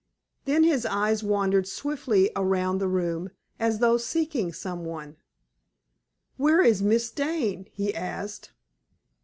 Then his eyes wandered swiftly around the room, as though seeking some one. "Where is Miss Dane?" he asked.